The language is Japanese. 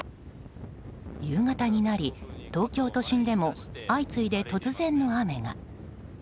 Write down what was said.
夕方になり東京都心でも相次いで突然雨が。